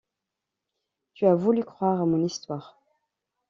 tu as voulu croire à mon histoire.